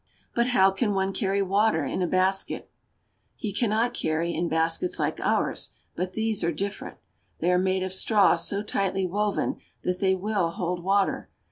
But how can one carry water in a basket ?, He can not in baskets like ours, but these are different. "hey are made of straw so tightly woven that they will jjOld water.